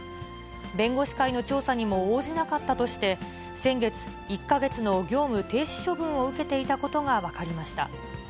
弁護士会の調査にも応じなかったとして、先月、１か月の業務停止処分を受けていたことが分かりました。